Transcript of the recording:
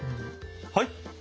はい。